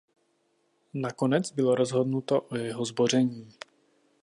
Nakonec bylo rozhodnuto o jeho zboření.